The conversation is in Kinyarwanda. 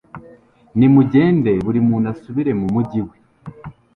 nimugende, buri muntu asubire mu mugi we